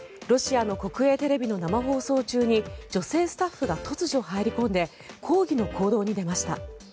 ロシアの国営テレビの生放送中に女性スタッフが突如、入り込んで抗議の行動に出ました。